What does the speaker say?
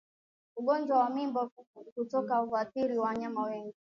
Ugonjwa wa mimba kutoka huathiri wanyama wengi